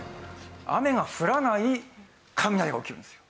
雨が降らない雷が起きるんですよ。